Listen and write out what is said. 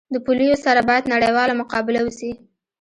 د پولیو سره باید نړیواله مقابله وسي